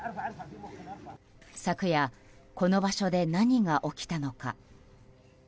昨夜この場所で何が起きたのか。